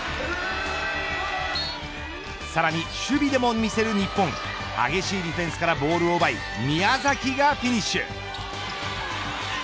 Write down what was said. さらに、守備でも見せる日本激しいディフェンスからボールを奪い宮崎がフィニッシュ。